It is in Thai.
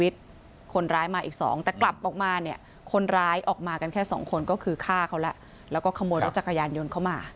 ตอนขาเข้าไปนั่งไป๓คน